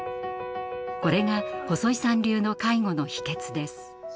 これが細井さん流の介護の秘けつです。